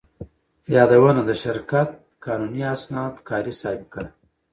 يادونه: د شرکت قانوني اسناد، کاري سابقه،